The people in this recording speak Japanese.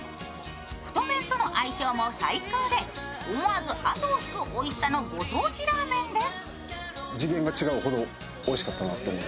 太麺との相性も最高で思わず後を引くおいしさのご当地ラーメンです。